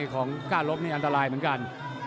ก้าลบนี่อันตรายเหมือนกัน